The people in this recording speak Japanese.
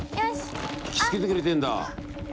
引き付けてくれてんだ。